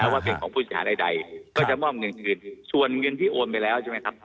ว่าเป็นของผู้เสียหายใดก็จะมอบเงินคืนส่วนเงินที่โอนไปแล้วใช่ไหมครับ